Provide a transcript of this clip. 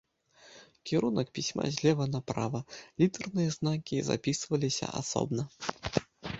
Кірунак пісьма злева направа, літарныя знакі запісваліся асобна.